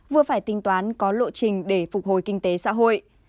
vừa phải tính toán có lộ trình để phục hồi kinh tế xã hội